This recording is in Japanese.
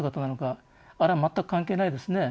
あるいは全く関係ないですね